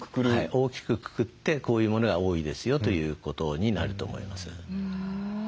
大きくくくってこういうものが多いですよということになると思います。